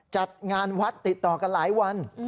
จัดงานวัดติดต่อกันหลายวัน